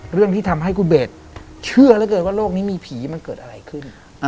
เรื่องที่ทำให้คุณเบสเชื่อเหลือเกินว่าโลกนี้มีผีมันเกิดอะไรขึ้น